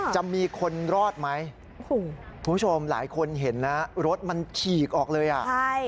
จะมีคนรอดไหมคุณผู้ชมหลายคนเห็นนะรถมันฉีกออกเลยอ่ะใช่